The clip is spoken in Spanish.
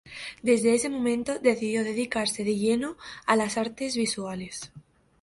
Desde ese momento, decidió dedicarse de lleno a las artes visuales.